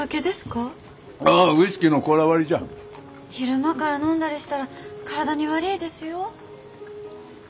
昼間から飲んだりしたら体に悪いですよ。